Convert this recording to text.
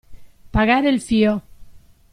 Pagare il fio.